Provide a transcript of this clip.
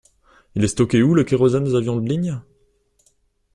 Il est stocké où le kérosène des avions de ligne?